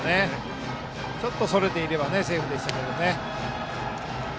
ちょっとそれていればセーフでしたけどね。